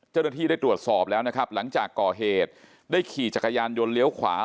เจ้าหน้าที่ได้ตรวจสอบแล้วนะครับหลังจากก่อเหตุได้ขี่จักรยานยนต์เลี้ยวขวา